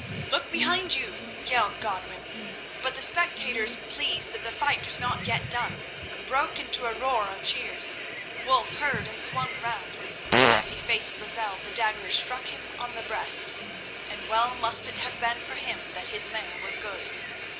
"Look behind you!" yelled Godwin; but the spectators, pleased that the fight was not yet done, broke into a roar of cheers. Wulf heard and swung round. As he faced Lozelle the dagger struck him on the breast, and well must it have been for him that his mail was good.